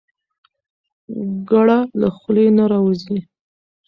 ګړه له خولې نه راوځي.